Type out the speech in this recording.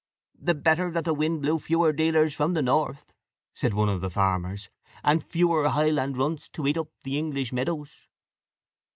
"The better that the wind blew fewer dealers from the north," said one of the farmers, "and fewer Highland runts to eat up the English meadows."